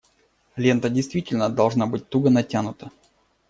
Лента действительно должна быть туго натянута.